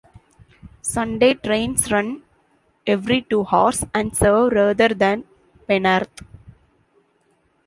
Sunday trains run every two hours and serve rather than Penarth.